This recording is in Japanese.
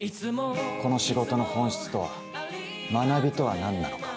この仕事の本質とは学びとは何なのか。